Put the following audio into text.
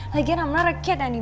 lagian aku bukan anak kecil lagi